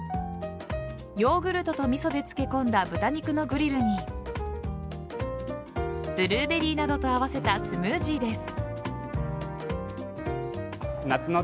ヨーグルトと味噌で漬け込んだ豚肉のグリルにブルーベリーなどと合わせたスムージーです。